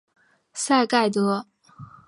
赛盖德。